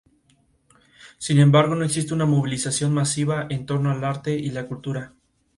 Sin embargo, no existe una movilización masiva en torno al arte y la cultura.